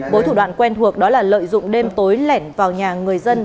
với thủ đoạn quen thuộc đó là lợi dụng đêm tối lẻn vào nhà người dân